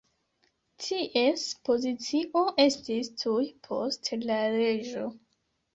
Ties pozicio estis tuj post la reĝo.